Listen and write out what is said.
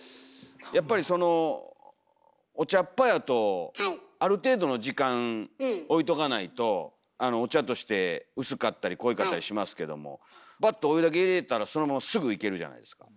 やっぱりそのお茶っ葉やとある程度の時間おいとかないとお茶として薄かったり濃いかったりしますけどもバッとお湯だけ入れたらそのまますぐいけるじゃないですか。